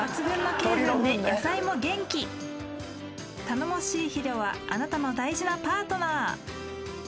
頼もしい肥料はあなたの大事なパートナー。